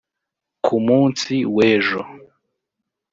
Ku munsi w’ejo